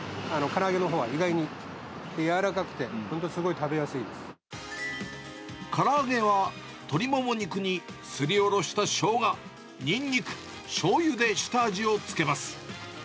からあげのほうは意外に、やわらかくて、本当にすごく食べやすいからあげは鶏もも肉に、すりおろしたしょうが、にんにく、しょうゆで下味をつけます。